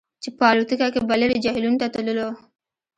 چې په الوتکه کې به لرې جهیلونو ته تللو